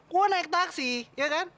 gue naik taksi ya kan